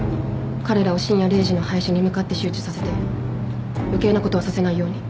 彼らを深夜０時の配信に向かって集中させて余計なことはさせないように。